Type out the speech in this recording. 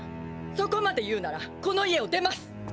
そこまで言うならこの家を出ます。